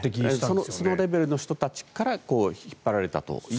そのレベルの人たちから引っ張られたという。